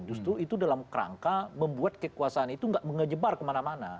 justru itu dalam kerangka membuat kekuasaan itu nggak mengejebar kemana mana